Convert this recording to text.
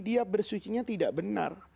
dia bersyukurnya tidak benar